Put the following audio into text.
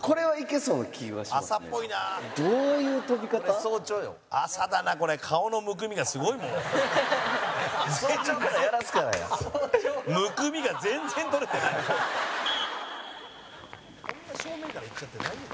そんな正面からいっちゃって大丈夫？